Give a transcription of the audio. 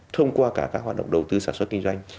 thông qua cả các hoạt động đầu tư sản xuất kinh doanh